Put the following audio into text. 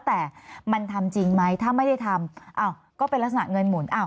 แต่มันทำจริงไหมถ้าไม่ได้ทำก็เป็นลักษณะเงินหมุน